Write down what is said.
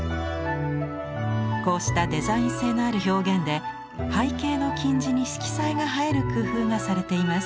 こうしたデザイン性のある表現で背景の金地に色彩が映える工夫がされています。